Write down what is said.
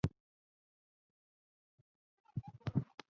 单曲因封面上乐队穿着异性服装而著名。